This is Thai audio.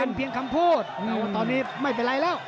เป็นเพียงคำพูดแต่ว่าตอนนี้ไม่เป็นไรแล้ว